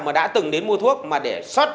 mà đã từng đến mua thuốc mà để sót